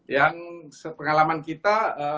yang pengalaman kita